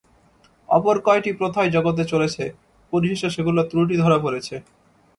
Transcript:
অপর কয়টি প্রথাই জগতে চলেছে, পরিশেষে সেগুলির ত্রুটি ধরা পড়েছে।